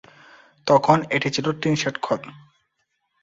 তখন এটি ছিল টিনশেড ঘর।